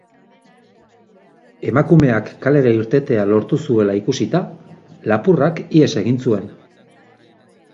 Emakumeak kalera irtetea lortu zuela ikusita, lapurrak ihes egin zuen.